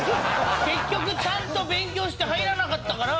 結局ちゃんと勉強して入らなかったから。